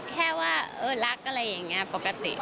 แค่ว่าเออรักอะไรอย่างนี้ปกติ